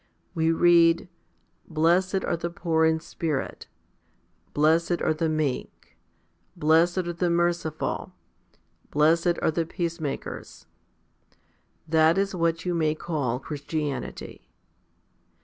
We read, Blessed are the poor in spirit, blessed are the meek, blessed are the merciful, blessed are the peacemakers. 1 That is what you may call Christianity.